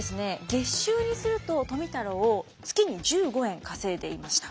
月収にすると富太郎月に１５円稼いでいました。